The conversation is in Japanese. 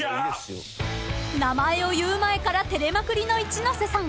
［名前を言う前から照れまくりの一ノ瀬さん］